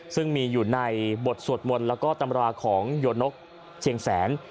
ซึ่งมีอยู่ในบทสวดมนต์แล้วก็ตำราของโยนกเชียงแสน